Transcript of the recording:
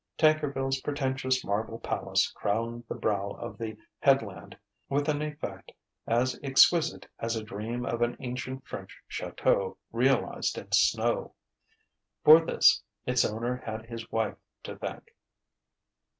Tankerville's pretentious marble palace crowned the brow of the headland with an effect as exquisite as a dream of an ancient French château realized in snow. For this its owner had his wife to thank.